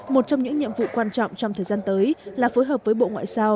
một trong những nhiệm vụ quan trọng trong thời gian tới là phối hợp với bộ ngoại giao